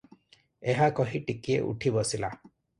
ଏହା କହି ଟିକିଏ ଉଠି ବସିଲା ।